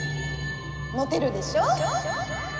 モテるでしょ？